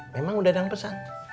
memang udah ada yang pesan